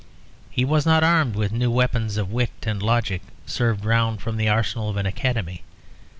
He was not armed with new weapons of wit and logic served round from the arsenal of an academy.